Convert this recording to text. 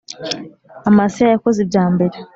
Amasiya yakoze ibya mbere